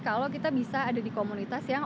kalau kita bisa ada di komunitas yang